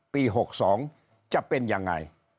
ปี๖๒จะเป็นยังไง